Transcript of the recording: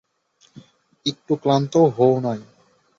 একটু ক্লান্তও হও নাই!